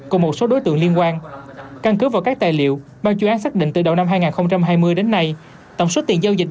cùng một số đối tượng liên quan căn cứ vào các tài liệu ban chuyên án xác định từ đầu năm hai nghìn hai mươi đến nay tổng số tiền giao dịch